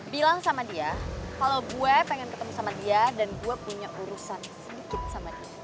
bilang sama dia kalau gue pengen ketemu sama dia dan gue punya urusan sedikit sama dia